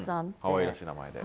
かわいらしい名前で。